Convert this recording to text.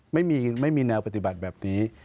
ไม่มีแนวปฏิบัติแบบนี้